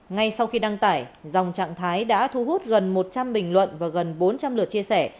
ngay sau khi đăng tải dòng trạng thái đã thu hút gần một trăm linh bình luận và gần bốn trăm linh lượt chia sẻ